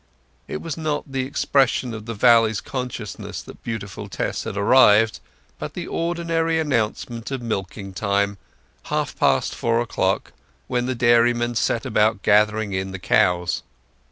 It was not the expression of the valley's consciousness that beautiful Tess had arrived, but the ordinary announcement of milking time—half past four o'clock, when the dairymen set about getting in the cows.